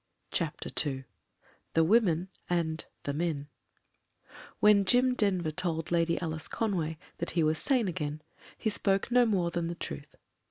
CHAPTER II THE WOMEN AND— THE MEN WHEN Jim Denver told Lady Alice Conway that he was sane again, he spoke no more than the truth.